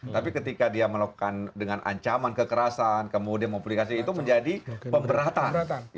tapi ketika dia melakukan dengan ancaman kekerasan kemudian publikasi itu menjadi pemberatan